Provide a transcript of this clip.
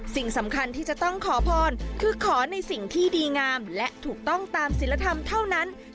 สิ่งสำคัญที่จะต้องขอพรคือขอในสิ่งที่ดีงามและถูกต้องตามศิลธรรมเท่านั้น